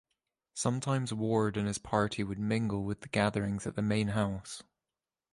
Sometimes Ward and his party would mingle with the gatherings at the main house.